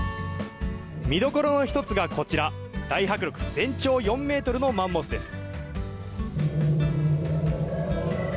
見どころの一つがこちら、大迫力、全長４メートルのマンモスです。